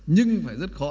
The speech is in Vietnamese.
nhưng phải rất khó